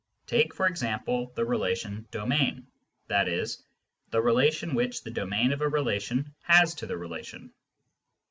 Take, for example, the relation " domain," i.e. the relation which the domain of a relation has to the relation.